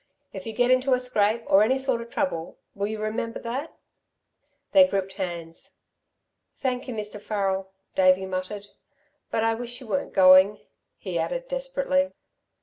If you get into a scrape, or any sort of trouble, will you remember that?" They gripped hands. "Thank you, Mr. Farrel," Davey muttered. "But I wish you weren't going," he added, desperately.